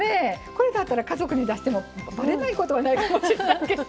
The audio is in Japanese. これだったら家族に出してもバレないことはないかもしらんけど。